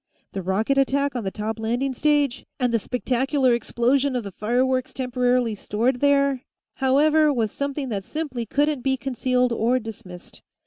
The rocket attack on the top landing stage and the spectacular explosion of the fireworks temporarily stored there, however, was something that simply couldn't be concealed or dismissed.